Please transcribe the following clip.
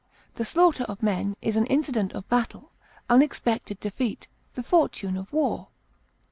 The slaughter of men is an incident of battle; unexpected defeat, the fortune of war.